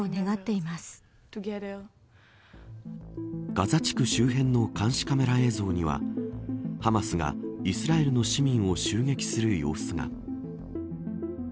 ガザ地区周辺の監視カメラ映像にはハマスが、イスラエルの市民を襲撃する様子が。